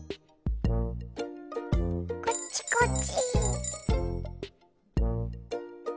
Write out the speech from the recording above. こっちこっち。